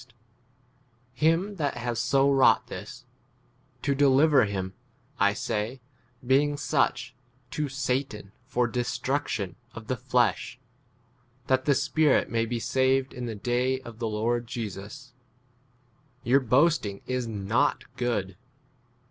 5 him that has so wrought this : to deliver him, [I say], [being] such, to Satan for destruction of the flesh, that the spirit may be saved 6 in the day of the Lord Jesus. Your boasting [is] not good.